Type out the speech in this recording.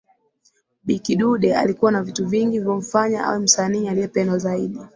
Bi kidude alikuwa na vitu vingi vilivyomfanya awe msanii aliyependwa zaidi